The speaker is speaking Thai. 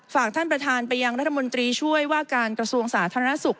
ฝากท่านประธานไปยังรัฐมนตรีช่วยว่าการกระทรวงสาธารณสุข